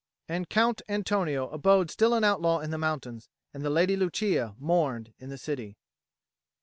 And Count Antonio abode still an outlaw in the mountains, and the Lady Lucia mourned in the city.